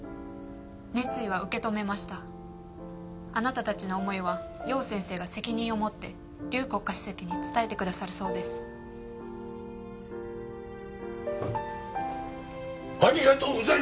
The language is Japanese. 熱意は受け止めましたあなた達の思いは楊先生が責任をもって劉国家主席に伝えてくださるそうですありがとうございます！